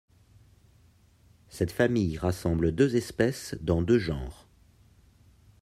Cette famille rassemble deux espèces dans deux genres.